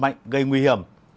mạnh gây nguy hiểm